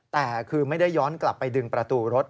แต่คือไม่ได้ย้อนกลับไปดึงประตูรถ